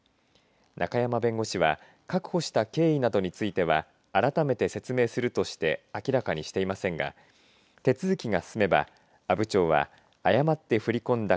中山弁護士は確保した経緯などについては改めて説明するとして明らかにしていませんが手続きが進めば阿武町は誤って振り込んだ